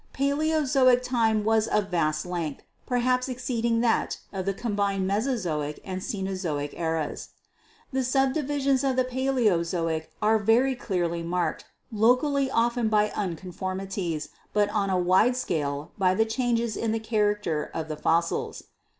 Paleozoic time was of vast length, per haps exceeding that of the combined Mesozoic and Ceno zoic eras. "The subdivisions of the Paleozoic are very clearly marked, locally often by unconformities, but on a wide scale by the changes in the character of the fossils.